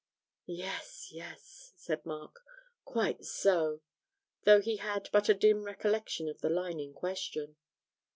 'Yes, yes,' said Mark, 'quite so,' though he had but a dim recollection of the line in question.